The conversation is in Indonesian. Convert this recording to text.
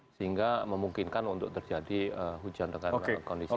sehingga memungkinkan untuk terjadi hujan dengan kondisi yang lebih tinggi